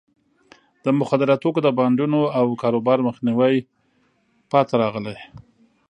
د مخدره توکو د بانډونو او کاروبار مخنیوي پاتې راغلی.